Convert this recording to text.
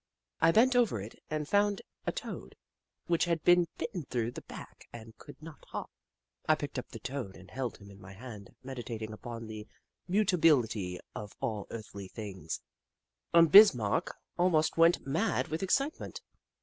I bent over it and found a Toad, which had been bitten through the back and could not hop. I picked up the Toad and held him in my hand, meditating upon the mutability of all earthly things, and Bismarck almost went mad with excitement.